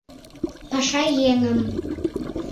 Паша еҥым